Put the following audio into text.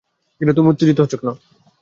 তুমি উত্তেজিত হচ্ছ কেন?